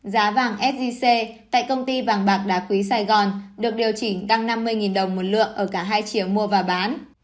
giá vàng sgc tại công ty vàng bạc đá quý sài gòn được điều chỉnh tăng năm mươi đồng một lượng ở cả hai triệu mua và bán